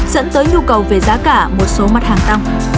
dẫn tới nhu cầu về giá cả một số mặt hàng tăng